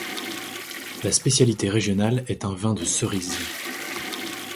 La spécialité régionale est un vin de cerise.